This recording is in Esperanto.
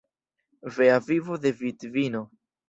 Vea vivo de vidvino.